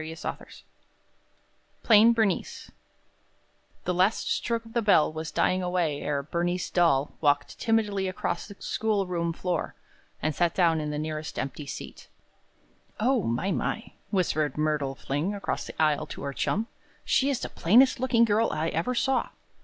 Selected, PLAIN BERNICE The last stroke of the bell was dying away ere Bernice Dahl walked timidly across the schoolroom floor, and sat down in the nearest empty seat. "O, my, my!" whispered Myrtle Fling across the aisle to her chum. "She is the plainest looking girl I ever saw."